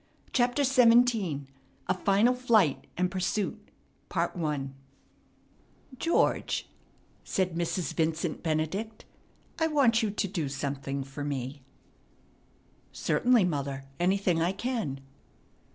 CHAPTER XVII A FINAL FLIGHT AND PURSUIT "George," said Mrs. Vincent Benedict, "I want you to do something for me." "Certainly, mother, anything I can."